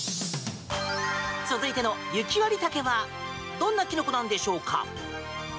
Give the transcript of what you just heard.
続いての雪割茸はどんなキノコなんでしょうか？